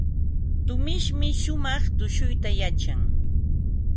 Tumishmi shumaq tushuyta yachan.